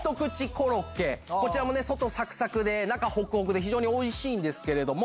コロッケこちら外サクサクで中ホクホクで非常においしいんですけれども。